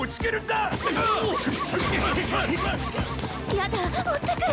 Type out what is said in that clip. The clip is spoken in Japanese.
やだ追ってくる。